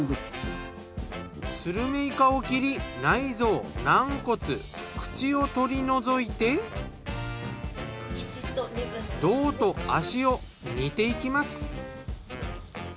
スルメイカを切り内臓軟骨口を取り除いて胴と足を煮ていきます。